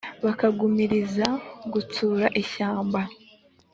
bakagumiriza gutsura ishyamba